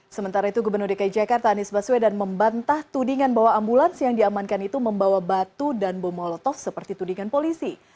sementara itu gubernur dki jakarta anies baswedan membantah tudingan bahwa ambulans yang diamankan itu membawa batu dan bom molotov seperti tudingan polisi